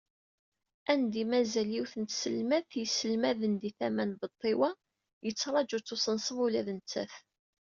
Anda i mazal yiwet n tselmadt yesselmaden di tama n Beṭṭiwa yettraju-tt usenṣeb ula d nettat.